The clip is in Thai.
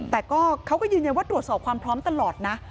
แต่ก็เขาก็ยืนยันว่าตรวจสอบความพร้อมตลอดนะ